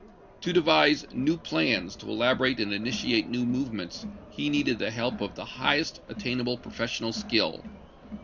To devise new plans, to elabo rate and initiate new movements, he needed the help of the highest attainable professional skill.